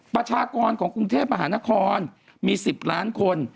ประชากรของกรุงเทพมหานครมี๑๐ล้านคน